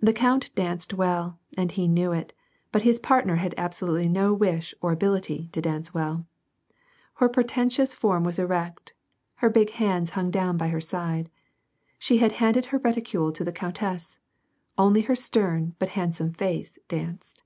The count danced well, and he knew it, but his partner had absolutely no wish or ability to dance well. Her portentous form was erect, and her big hands hung down by her side ; she had handed her reticule to the countess ; only her stern but liandsome face danced